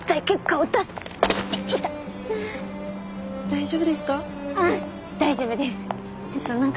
大丈夫です。